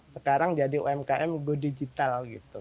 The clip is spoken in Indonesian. sekarang jadi umkm go digital gitu